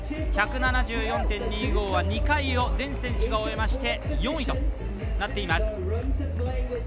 １７４．２５は２回を全選手を終えまして４位となっています。